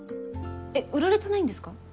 えっ売られてないんですか？